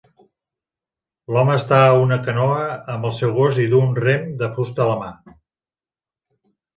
L'home està a una canoa amb el seu gos i duu un rem de fusta a la mà.